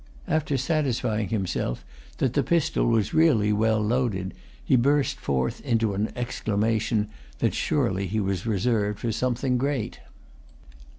After satisfying himself that the pistol was really well loaded, he burst forth into an exclamation that surely he was reserved for something great.